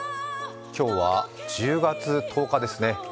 今日は１０月１０日ですね。